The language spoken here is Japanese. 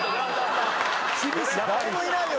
誰もいないよ！